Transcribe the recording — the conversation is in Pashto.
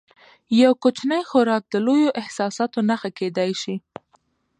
یو کوچنی خوراک د لویو احساساتو نښه کېدای شي.